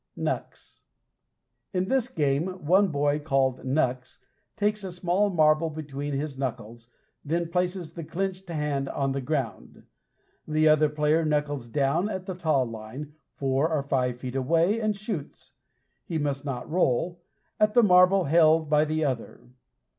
KNUCKS In this game, one boy, called "Knucks," takes a small marble between his knuckles, then places the clenched hand on the ground. The other player knuckles down at the taw line, four or five feet away, and shoots he must not roll at the marble held by the other.